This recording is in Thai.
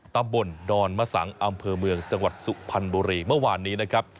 ตำบลดอนมะสังอำเภอเมืองจังหวัดสุพรรณบุรีเมื่อวานนี้นะครับ